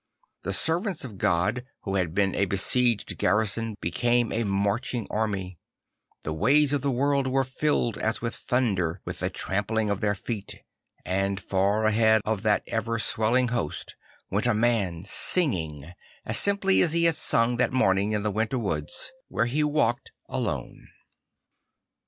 The servants of God who had been a besieged garrison became a marching army; the \vays of the world were filled as with thunder \vith the trampling of their feet and far ahead of that ever s\velling host \vent a man singing; as simply he had sung that morning in the winter woods, where he walked alone.